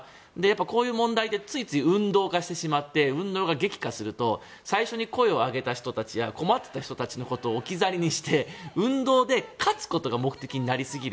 こういう問題ってついつい運動化してしまって運動が激化すると最初に声を上げた人たちや困ってた人たちのことを置き去りにして運動で勝つことが目的になりすぎる。